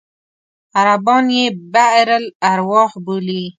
عربان یې بئر الأرواح بولي.